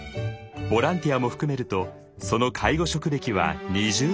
ボランティアも含めるとその介護職歴は２０年以上！